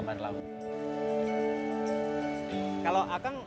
terendam air laut